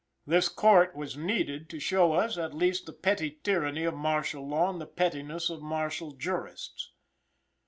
This court was needed to show us at least the petty tyranny of martial law and the pettiness of martial jurists.